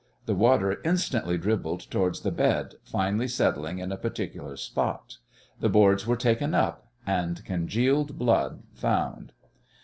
The water instantly dribbled towards the bed, finally settling in a particular spot. The boards were taken up, and congealed blood found.